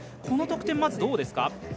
この得点、まずどうですか。